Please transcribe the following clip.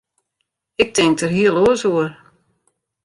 Ik tink der heel oars oer.